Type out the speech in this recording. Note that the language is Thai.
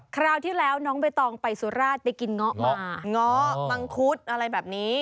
คราวที่แล้วน้องใบตองไปสุราชไปกินเงาะเงาะมังคุดอะไรแบบนี้